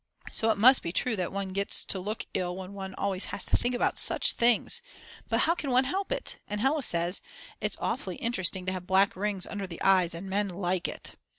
So it must be true that one gets to look ill when one always has to think about such things. But how can one help it, and Hella says: It's awfully interesting to have black rings under the eyes and men like it.